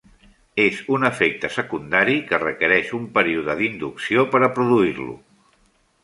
És un efecte secundari que requereix un període d'inducció per a produir-lo.